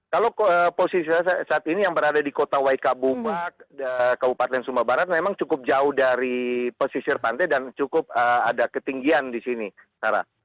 kalau posisi saya saat ini yang berada di kota waika bubak kabupaten sumba barat memang cukup jauh dari pesisir pantai dan cukup ada ketinggian di sini sarah